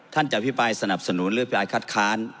จะอภิปรายสนับสนุนหรือพิปรายคัดค้าน